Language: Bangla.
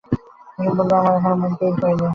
কুমু বললে, এখনো আমার মন তৈরি হয় নি।